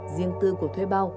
riêng tư của thuê bao